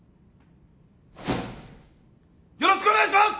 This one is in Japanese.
よろしくお願いします。